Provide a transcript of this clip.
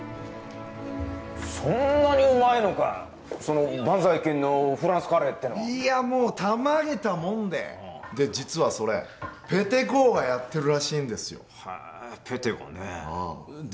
そんなにうまいのかそのバンザイ軒のフランスカレエってのはいやもうたまげたもんでで実はそれペテ公がやってるらしいんですよ・へえペテがねえで